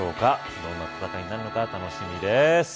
どんな戦いになるのか楽しみです